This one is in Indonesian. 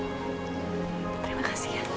terima kasih ya